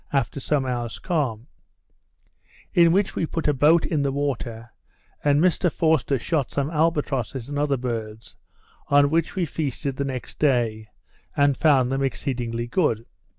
after some hours calm; in which we put a boat in the water, and Mr Forster shot some albatrosses and other birds, on which we feasted the next day, and found them exceedingly good.